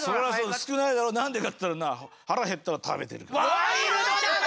少ないだろ何でかっていったらな腹減ったら食べてるんだぜ。